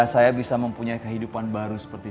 saya bisa mempunyai kehidupan baru seperti